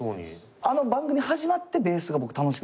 あの番組始まってベースが僕楽しくなった。